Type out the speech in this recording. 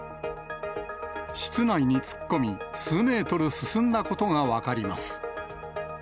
室内に突っ込み、数メートル進んだことが分かります。